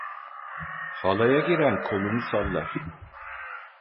Halaya giren kolunu sallar.